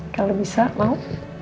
kalau bisa mau